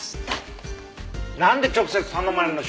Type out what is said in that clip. なんで直接頼まれるの？